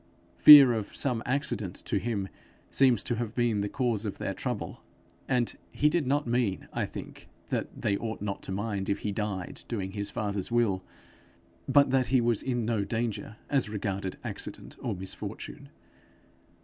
Fear of some accident to him seems to have been the cause of their trouble; and he did not mean, I think, that they ought not to mind if he died doing his father's will, but that he was in no danger as regarded accident or misfortune.